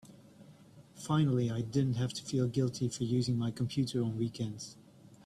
Finally I didn't have to feel guilty for using my computer on weekends.